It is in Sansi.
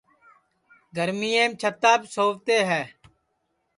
گرمِیم چھِتاپ سووتے ہے